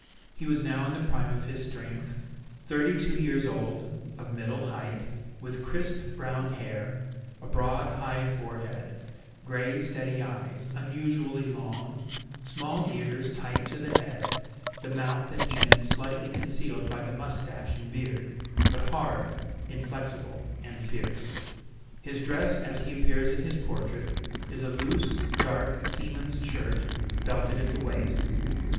He was now in the prime of his strength, thirty two years old, of middle height, with crisp brown hair, a broad high forehead; gray, steady eyes, unusually long; small ears tight to the head; the mouth and chin slightly concealed by the moustache and beard, but hard, inflexible, and fierce. His dress, as he appears in his portrait, is a loose, dark, seaman's shirt, belted at the waist.